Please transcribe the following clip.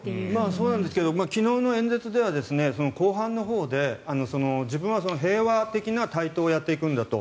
そうなんですけど昨日の演説では後半のほうで自分は平和的な台頭をやっていくんだと。